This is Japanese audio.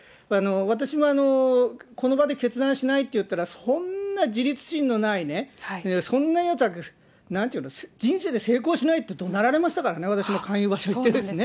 私もこの場で決断しないって言ったら、そんな自立心のないね、そんなやつは、なんていうの、人生で成功しないってどなられましたからね、私も勧誘場所行ってね。